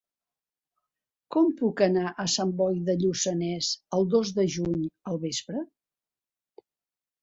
Com puc anar a Sant Boi de Lluçanès el dos de juny al vespre?